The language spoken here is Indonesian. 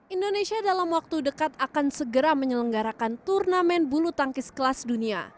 indonesia dalam waktu dekat akan segera menyelenggarakan turnamen bulu tangkis kelas dunia